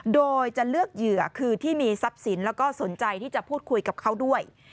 โดยจะเลือกเหยื่อคือที่มีทรัพย์สินแล้วก็สนใจที่จะพูดคุยกับเขาด้วย